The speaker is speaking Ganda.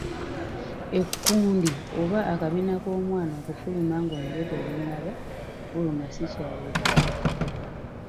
Ekkundi oba akabina k'omwana okufuluma ng'omutwe tegunnaba kufuluma si kya bulijjo.